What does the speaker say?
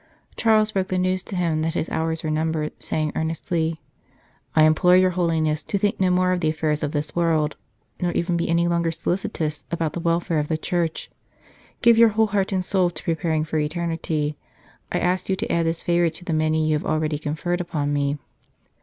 Charles broke the news to him that his hours were numbered, saying earnestly :" I implore your Holiness to think no more of the affairs of this world, nor even be any longer solicitous about the welfare of the Church ; give your whole heart and soul to preparing for eternity. I ask you to add this favour to the many you have already conferred upon me."